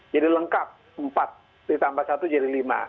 jadi lengkap empat ditambah satu jadi lima